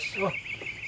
selamat sore pak kus